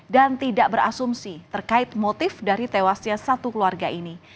dan tidak berasumsi terkait motif dari tewasnya satu keluarga ini